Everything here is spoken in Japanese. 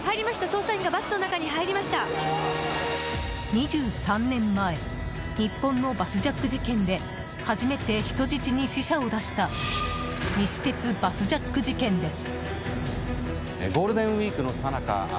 ２３年前日本のバスジャック事件で初めて人質に死者を出した西鉄バスジャック事件です。